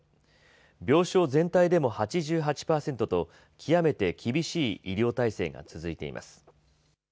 病床全体でも８８％と極めて厳しい医療体制が続いています。